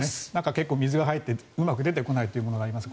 結構、水が入ってうまく出てこないというものがあります。